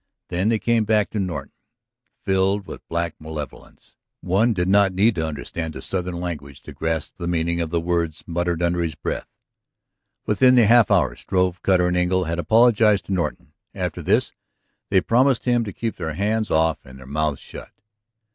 Then they came back to Norton, filled with black malevolence. One did not need to understand the southern language to grasp the meaning of the words muttered under his breath. Within the half hour Strove, Cutter, and Engle had apologized to Norton; after this, they promised him to keep their hands off and their mouths shut.